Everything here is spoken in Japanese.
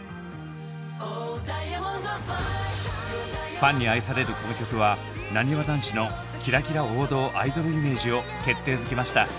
ファンに愛されるこの曲はなにわ男子のキラキラ王道アイドルイメージを決定づけました。